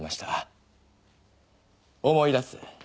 「思い出す。